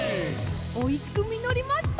「おいしくみのりました！」